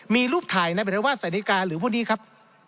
มีรูปถ่ายนายปรัฐวาสใส่นาฬิกาหรือพวกนี้ครับ